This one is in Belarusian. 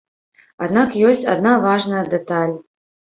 Аднак ёсць адна важная дэталь.